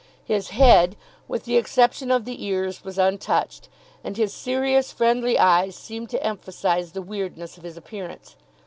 His head, with the exception of the ears, was untouched, and his serious, friendly eyes seemed to emphasise the weirdness of his appearance.